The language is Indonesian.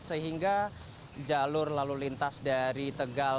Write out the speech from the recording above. sehingga jalur lalu lintas dari tegal